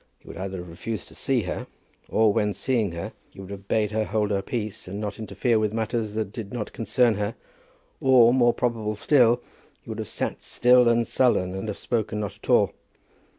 He would either have refused to see her, or when seeing her he would have bade her hold her peace and not interfere with matters which did not concern her, or, more probable still, he would have sat still and sullen, and have spoken not at all.